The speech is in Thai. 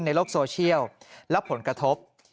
ในโลกโซเชียลและผลกระทบ